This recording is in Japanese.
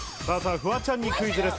フワちゃんにクイズです。